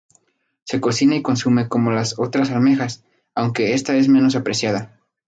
Se cocina y consume como las otras almejas, aunque esta es menos apreciada.